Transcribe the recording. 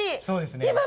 そうですね。